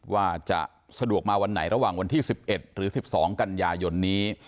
ว่าจะสะดวกมาวันไหนระหว่างวันที่๑๑หรือ๑๒กันยายนนี้